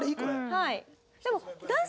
はい。